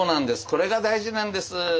これが大事なんです。